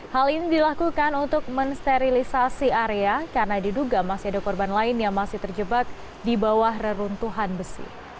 hal ini dilakukan untuk mensterilisasi area karena diduga masih ada korban lain yang masih terjebak di bawah reruntuhan besi